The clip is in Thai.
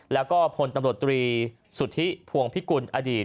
แล้วก็พลตำรวจตรีสุธิพวงพิกุลอดีต